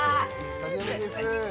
久しぶりです。